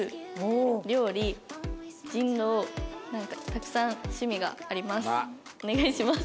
なんかたくさん趣味があります。